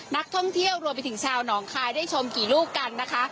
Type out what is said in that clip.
นักท่องเที่ยวรวมไปถึงชาวหนองคายได้ชมกี่ลูกกันนะคะ